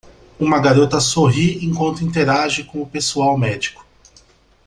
Uma garota sorri enquanto interage com o pessoal médico